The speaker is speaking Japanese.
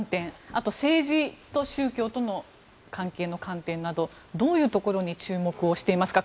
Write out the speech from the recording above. あと政治と宗教との関係の観点などどういうところに注目していますか？